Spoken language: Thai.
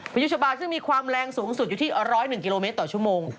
ยุชบาซึ่งมีความแรงสูงสุดอยู่ที่๑๐๑กิโลเมตรต่อชั่วโมง